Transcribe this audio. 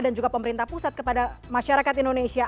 dan juga pemerintah pusat kepada masyarakat indonesia